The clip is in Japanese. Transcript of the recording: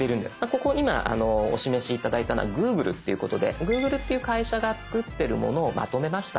ここに今お示し頂いたのは「Ｇｏｏｇｌｅ」っていうことでＧｏｏｇｌｅっていう会社が作ってるものをまとめました。